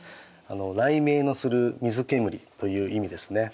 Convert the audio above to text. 雷鳴のする水煙という意味ですね。